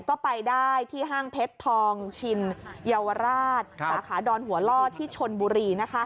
ก็ไปได้ที่ห้างเพชรทองชินเยาวราชสาขาดอนหัวล่อที่ชนบุรี